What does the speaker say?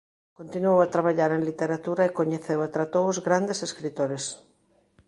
Continuou a traballar en literatura e coñeceu e tratou os grandes escritores.